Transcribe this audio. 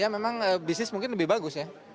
memang bisnis mungkin lebih bagus ya